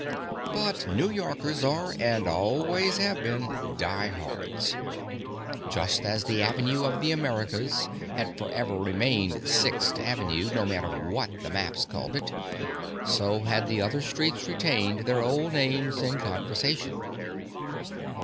But New Yorkers are, and always have been, diehards. Just as The Avenue of the Americas had forever remained Sixth Avenue, no matter what the maps called it, so had the other streets retained their old names in conversation.